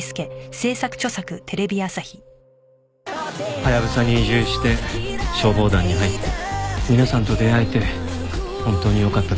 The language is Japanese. ハヤブサに移住して消防団に入って皆さんと出会えて本当によかったです。